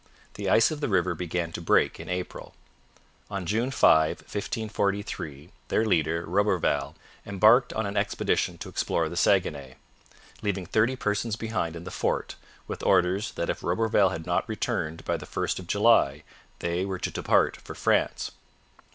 The ice of the river began to break in April. On June 5, 1543, their leader, Roberval, embarked on an expedition to explore the Saguenay, 'leaving thirty persons behind in the fort, with orders that if Roberval had not returned by the first of July, they were to depart for France.'